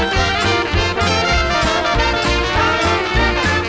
โปรดติดตามต่อไป